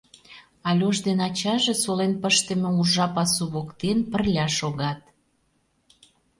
Альош ден ачаже солен пыштыме уржа пасу воктен пырля шогат.